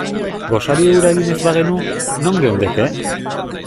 Gosari hura egin ez bagenu, non geundeke?